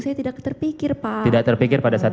saya tidak terpikir pak tidak terpikir pada saat